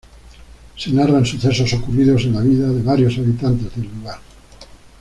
Se narran sucesos ocurridos en la vida de varios habitantes del lugar.